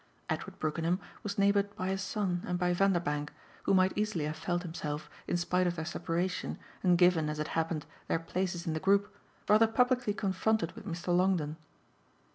Edward Brookenham was neighboured by his son and by Vanderbank, who might easily have felt himself, in spite of their separation and given, as it happened, their places in the group, rather publicly confronted with Mr. Longdon.